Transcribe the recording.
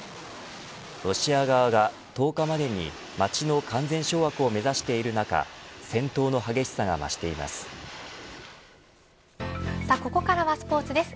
ロシア側が１０日までに街の完全掌握を目指している中戦闘の激しさが増しています。